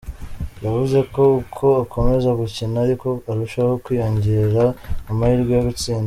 Yavuze ko uko ukomeza gukina ari ko urushaho kwiyongerera amahirwe yo gutsinda.